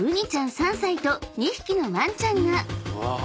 ３歳と２匹のワンちゃんが］